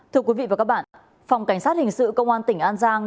thưa quý vị và các bạn phòng cảnh sát hình sự công an tỉnh an giang